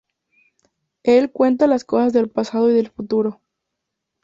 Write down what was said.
Él cuenta las cosas del pasado y del futuro.